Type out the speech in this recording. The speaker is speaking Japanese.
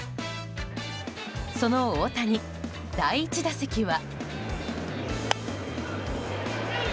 その大谷、第１打席は。